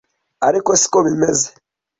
ariko si ko bimeze